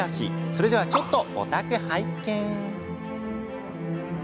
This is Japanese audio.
それでは、ちょっとお宅拝見。